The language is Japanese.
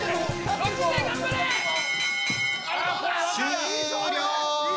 終了！